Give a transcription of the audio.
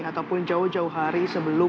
ataupun jauh jauh hari sebelum